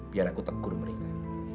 biar aku tegur mereka